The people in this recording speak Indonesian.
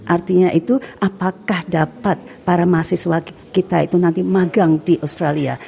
artinya itu apakah dapat para mahasiswa kita itu nanti magang di australia